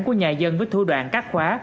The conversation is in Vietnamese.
của nhà dân với thua đoạn cắt khóa